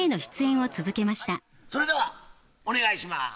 それではお願いします。